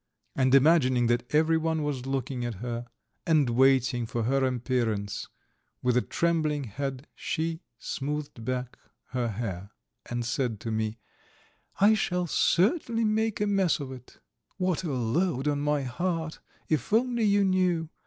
And imagining that everyone was looking at her and waiting for her appearance, with a trembling hand she smoothed back her hair and said to me: "I shall certainly make a mess of it. ... What a load on my heart, if only you knew!